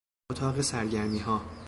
اتاق سرگرمیها